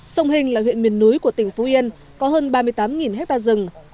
sông hình là huyện miền núi của tỉnh phú yên có hơn ba mươi tám hectare rừng